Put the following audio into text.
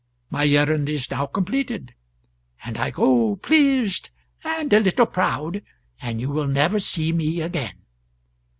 My errand is now completed, and I go pleased and a little proud, and you will never see me again.